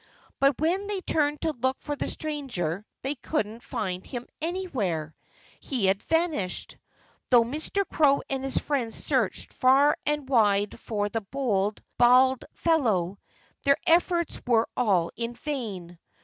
But when they turned to look for the stranger they couldn't find him anywhere. He had vanished. Though Mr. Crow and his friends searched far and wide for the bold, bad fellow, their efforts were all in vain.